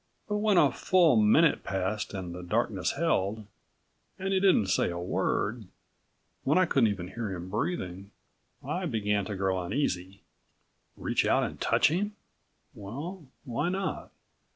But when a full minute passed and the darkness held, and he didn't say a word, when I couldn't even hear him breathing, I began to grow uneasy. Reach out and touch him? Well, why not?